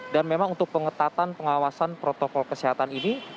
dan memang untuk pengetatan pengawasan protokol kesehatan ini